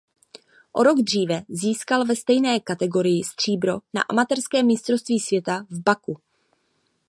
O rok dříve získal ve stejné kategorii stříbro na amatérském mistrovství světa v Baku.